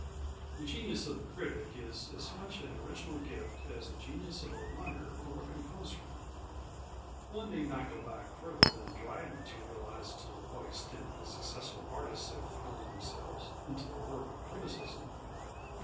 The genius of the critic is as much an original gift as the genius of a runner or a composer. One need not go back further than Dryden to realise to what an extent the successful artists have thrown themselves into the work of criticism.